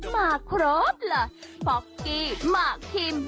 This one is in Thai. มาครบเหรอป๊อกกี้มาครีม